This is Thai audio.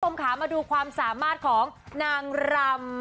คุณผู้ชมค่ะมาดูความสามารถของนางรำ